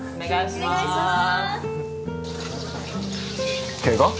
お願いしますケガ？